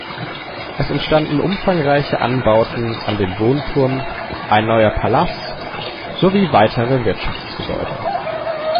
Es entstanden umfangreiche Anbauten an den Wohnturm, ein neuer Palas sowie weitere Wirtschaftsgebäude.